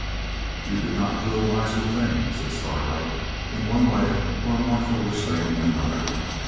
'You could not do a wiser thing,' says Starlight, 'in one way, or more foolish thing in another.